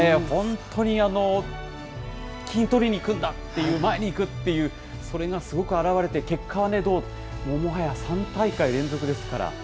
本当に金とりにいくんだっていう、前に行くっていう、それがすごく表れて、結果は、もはや３大会連続ですから。